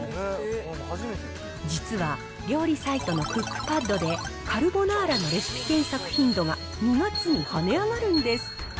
実は、料理サイトのクックパッドでカルボナーラのレシピ検索頻度が、２月に跳ね上がるんです。